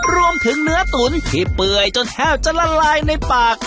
รวมถึงเนื้อตุ๋นที่เปื่อยจนแทบจะละลายในปาก